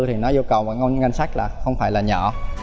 thì nó yêu cầu một ngôn ngân sách không phải là nhỏ